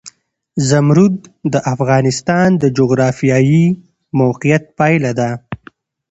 زمرد د افغانستان د جغرافیایي موقیعت پایله ده.